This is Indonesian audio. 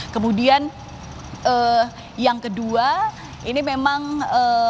kemudian yang kedua ini memang ee